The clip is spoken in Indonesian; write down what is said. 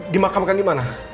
di makamkan di mana